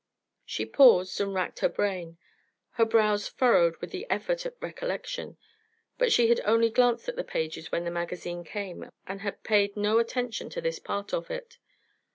She paused and racked her brain, her brows furrowed with the effort at recollection, but she had only glanced at the pages when the magazine came, and had paid no attention to this part of it.